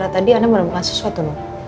tadi anda menemukan sesuatu